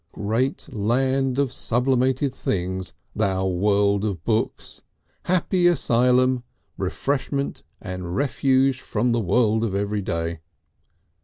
Great land of sublimated things, thou World of Books, happy asylum, refreshment and refuge from the world of everyday!...